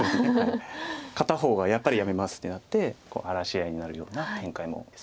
片方が「やっぱりやめます」ってなって荒らし合いになるような展開も多いです。